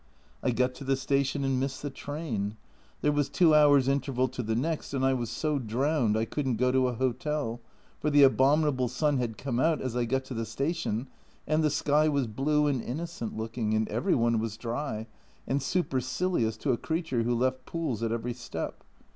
I got to the station and missed the train ! There was two hours' interval to the next, and I was so drowned I couldn't go to a hotel, for the abominable sun had come out as I got to the station and the sky was blue and innocent looking, and every one was dry, and supercilious to a creature who left pools at every step.